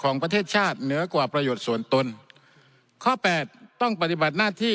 ประเทศชาติเหนือกว่าประโยชน์ส่วนตนข้อแปดต้องปฏิบัติหน้าที่